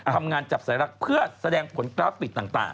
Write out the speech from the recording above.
จับสายรักเพื่อแสดงผลกราฟิกต่าง